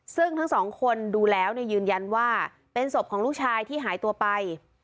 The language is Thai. ซึ่งทั้งสองคนดูแล้วยืนยันว่าเป็นศพของลูกชายที่หายตัวไป